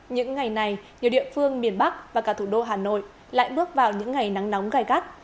những ngày này nhiều địa phương miền bắc và cả thủ đô hà nội lại bước vào những ngày nắng nóng gai gắt